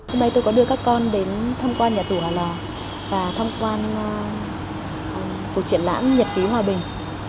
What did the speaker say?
hôm nay tôi có đưa các con đến thăm quan nhà tù hòa lò và thăm quan của triển lãm nhật ký hòa bình